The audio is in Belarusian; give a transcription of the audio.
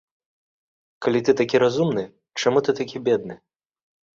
Калі ты такі разумны, чаму ты такі бедны?